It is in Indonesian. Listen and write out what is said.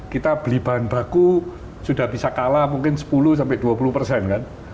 kita beli bahan baku sudah bisa kalah mungkin sepuluh sampai dua puluh persen kan